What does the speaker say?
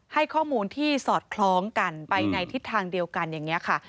ให้ข้อมูลที่สอดคล้องกันไปในทิศทางเดียวกันอย่างนี้ค่ะ